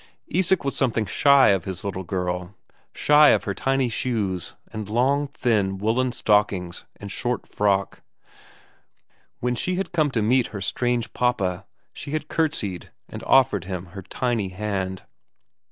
Isak was something shy of his little girl, shy of her tiny shoes and long, thin, woollen stockings and short frock; when she had come to meet her strange papa she had curtseyed and offered him a tiny hand.